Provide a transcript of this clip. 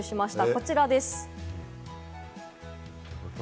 こちらです。